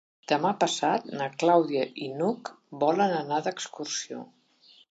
Demà passat na Clàudia i n'Hug volen anar d'excursió.